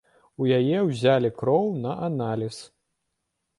У яе ўзялі кроў на аналіз.